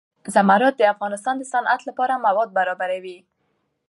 زمرد د افغانستان د صنعت لپاره مواد برابروي.